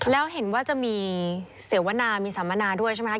แล้วเห็นว่าจะมีเสวนามีสัมมนาด้วยใช่ไหมคะ